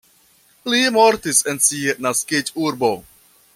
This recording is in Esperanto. Li mortis en sia naskiĝurbo.